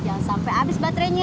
jangan sampai habis baterainya